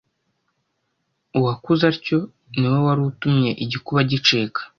uwakuze atyo niwe wari utumye igikuba gicika”